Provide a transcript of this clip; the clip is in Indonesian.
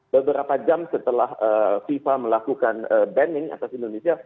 beberapa jam setelah fifa melakukan banning atas indonesia